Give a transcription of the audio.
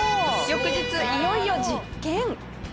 翌日いよいよ実験。